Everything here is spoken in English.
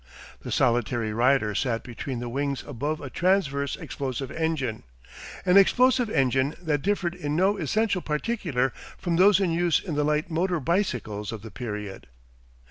The solitary rider sat between the wings above a transverse explosive engine, an explosive engine that differed in no essential particular from those in use in the light motor bicycles of the period.